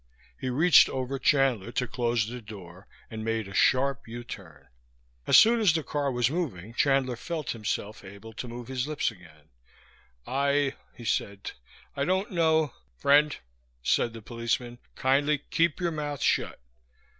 He reached over Chandler to close the door and made a sharp U turn. As soon as the car was moving Chandler felt himself able to move his lips again. "I," he said. "I don't know " "Friend," said the policeman, "kindly keep your mouth shut.